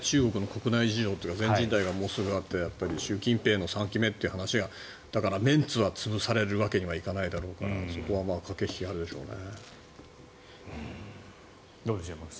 中国は全人代がもうすぐあって習近平の３期目という話があるからメンツは潰されるわけにはいかないだろうからそこは駆け引きがあるでしょうね。